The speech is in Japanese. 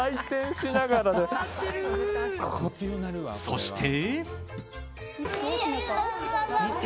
そして。